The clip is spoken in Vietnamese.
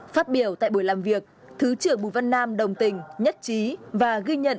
phát biểu tại buổi làm việc thứ trưởng bùi văn nam đồng tình nhất trí và ghi nhận